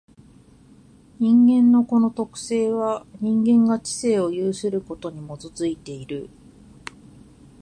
人間のこの特性は、人間が知性を有するということに基いている。